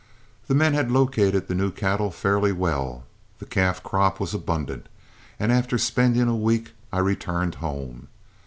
The men had located the new cattle fairly well, the calf crop was abundant, and after spending a week I returned home.